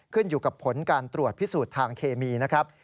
ขึ้นอยู่กับผลการตรวจพิสูจน์ทางเคมีนะครับ